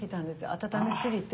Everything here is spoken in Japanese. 温めすぎて。